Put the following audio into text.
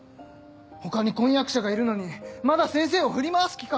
他に婚約者がいるのにまだ先生を振り回す気か！